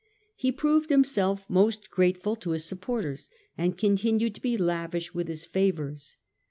He proved himself most grateful to his supporters and continued to be lavish with his favours.